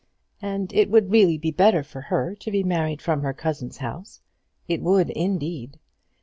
And it would really be better for her to be married from her cousin's house; it would, indeed.